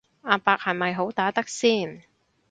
阿伯係咪好打得先